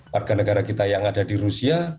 warga negara kita yang ada di rusia